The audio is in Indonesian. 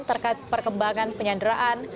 terkait perkembangan penyanderaan